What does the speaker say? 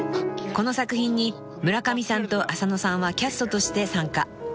［この作品に村上さんと浅野さんはキャストとして参加］